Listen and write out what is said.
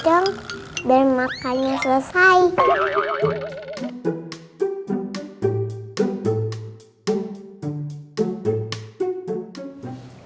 dan makannya selesai